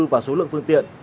và số lượng phương tiện